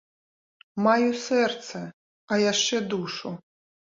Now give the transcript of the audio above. Маю сэрца, а яшчэ душу.